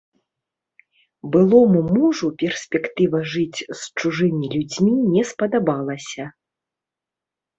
Былому мужу перспектыва жыць з чужымі людзьмі не спадабалася.